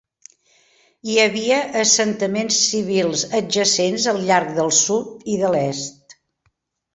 Hi havia assentaments civils adjacents al llarg del sud i de l'est.